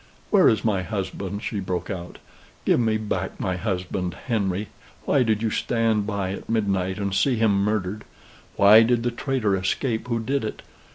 "Where is my husband?" she broke out. "Give me back my husband, Henry. Why did you stand by at midnight and see him murdered? Why did the traitor escape who did it?